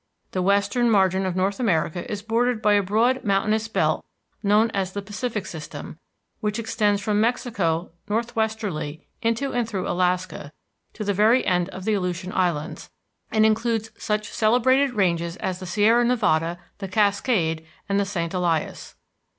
The western margin of North America is bordered by a broad mountainous belt known as the Pacific System, which extends from Mexico northwesterly into and through Alaska, to the very end of the Aleutian Islands, and includes such celebrated ranges as the Sierra Nevada, the Cascade, and the St. Elias.